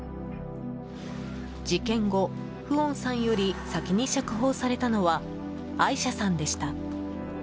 事件後、フオンさんより先に釈放されたのはアイシャさんでした。